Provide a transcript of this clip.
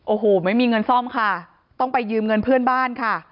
โอ้โหไม่มีเงินซ่อมค่ะต้องไปยืมเงินเพื่อนบ้านค่ะ